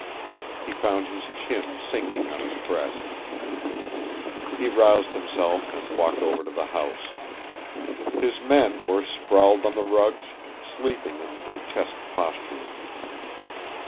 He found his chin sinking on his breast. He roused himself and walked over to the house. His men were sprawled on the rugs, sleeping in grotesque postures.